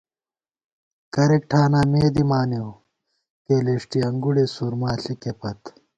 کرېک ٹھاناں مے دِمانېؤ، کېلېݭٹی انگُڑے سرما ݪِکےپت